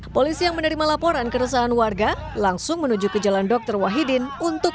polisi yang menerima laporan keresahan warga langsung menuju ke jalan dr wahidin untuk